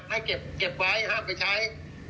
ให้เก็บไว้ห้ามไปใช้